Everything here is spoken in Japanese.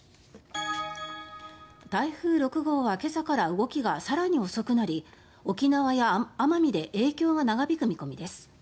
台風６号は今朝から動きが更に遅くなり沖縄や奄美で影響が長引く見込みです。